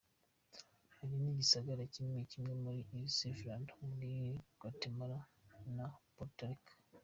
Hari n'igisagara kimwe kimwe muri El Salvador, muri Guatemala na Porto Rico.